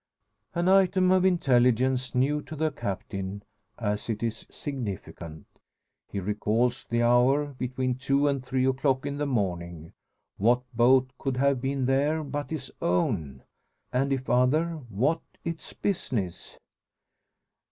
An item of intelligence new to the Captain, as it is significant. He recalls the hour between two and three o'clock in the morning. What boat could have been there but his own? And if other, what its business?